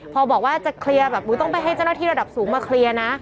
พอบอกว่าจะเคลียร์แบบต้องไปให้เจ้าหน้าที่ระดับสูงมาเคลียร์นะ